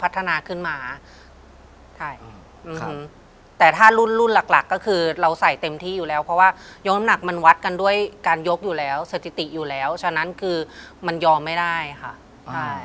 แต่ถ้ารุ่นรุ่นหลักหลักก็คือเราใส่เต็มที่อยู่แล้วเพราะว่ายกน้ำหนักมันวัดกันด้วยการยกอยู่แล้วสถิติอยู่แล้วฉะนั้นคือมันยอมไม่ได้ค่ะใช่